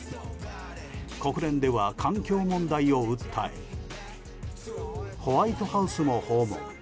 国連では環境問題を訴えホワイトハウスも訪問。